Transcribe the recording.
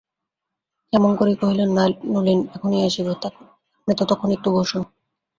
ক্ষেমংকরী কহিলেন, নলিন এখনি আসিবে, আপনি ততক্ষণ একটু বসুন।